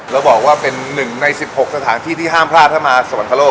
เราบอกว่าเป็นหนึ่งในสิบหกสถานที่ที่ห้ามละท่ามาสวรรคโลก